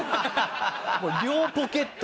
もう両ポケット。